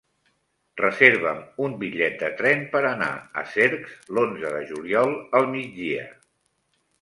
Reserva'm un bitllet de tren per anar a Cercs l'onze de juliol al migdia.